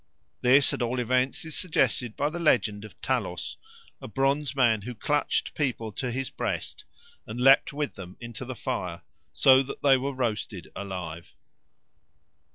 This at all events is suggested by the legend of Talos, a bronze man who clutched people to his breast and leaped with them into the fire, so that they were roasted alive.